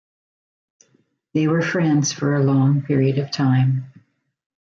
They were friends for a long period of time.